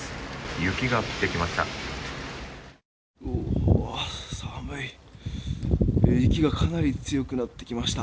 雪が降ってきました。